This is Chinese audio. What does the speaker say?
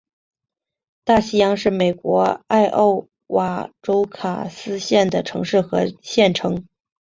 大西洋是美国艾奥瓦州卡斯县的城市和县城。